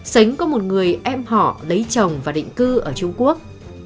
sánh có một người em họ lấy chồng và định cư ở trung quốc